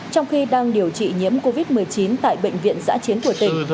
trong khi đang điều trị nhiễm covid một mươi chín tại bệnh viện giã chiến của tỉnh